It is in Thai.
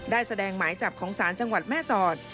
ได้แสดงหมายจับของศาลจังหวัดแม่สอด